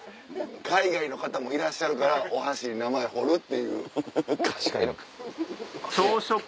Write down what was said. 海外の方もいらっしゃるからお箸に名前彫るっていう。